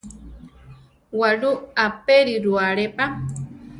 Waʼlú apériru alé pa.